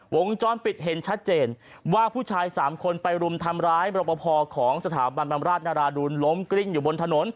วงจรปิดเห็นชัดเจนว่าผู้ชายสามคนไปรุมทำร้ายรบพอของสถาบันบำราชนาราดูลล้มกริ้งอยู่บนถนน